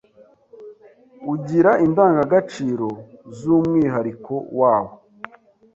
ugira indangagaciro z’umwihariko wawo.